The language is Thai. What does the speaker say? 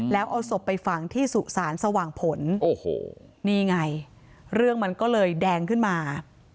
แล้วเอาศพไปฝังที่สุสานสว่างผลโอ้โหนี่ไงเรื่องมันก็เลยแดงขึ้นมา